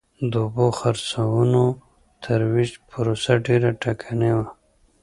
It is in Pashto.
د اوبو څرخونو ترویج پروسه ډېره ټکنۍ وه